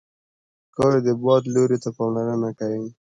ښکاري د باد لوري ته پاملرنه کوي.